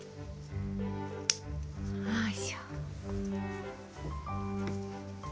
よいしょ。